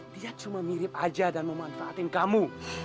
dia cuma mirip aja dan memanfaatkan kamu